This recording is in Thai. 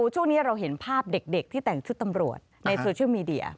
ช่วงนี้เราเห็นภาพเด็กที่แต่งชุดตำรวจในโซเชียลมีเดีย